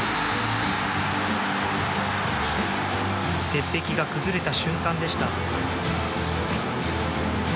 鉄壁が崩れた瞬間でした。